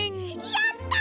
やった！